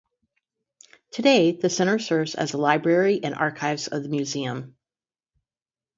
Today, the center serves as the library and archives of the museum.